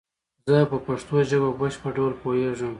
زه په پشتو ژبه په بشپړ ډول پوهیږم